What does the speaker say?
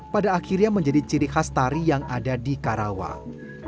pada akhirnya menjadi ciri khas tari yang ada di karawang